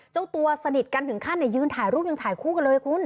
เจ้าตัวสนิทกันถึงขั้นยืนถ่ายรูปยังถ่ายคู่กันเลยคุณ